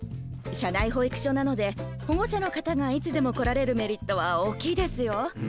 社内保育所なので保護者の方がいつでも来られるメリットは大きいですよ。